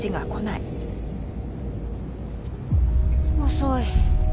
遅い。